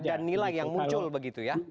dan nilai yang muncul begitu ya